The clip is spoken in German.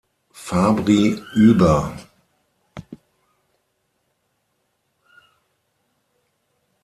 Fabri" über.